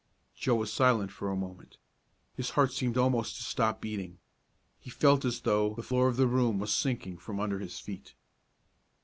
Joe was silent a moment. His heart seemed almost to stop beating. He felt as though the floor of the room was sinking from under his feet.